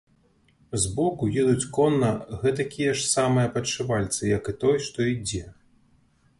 Збоку едуць конна гэтакія ж самыя падшывальцы як і той, што ідзе.